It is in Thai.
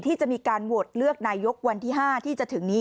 ที่จะมีการโหวตเลือกนายกวันที่๕ที่จะถึงนี้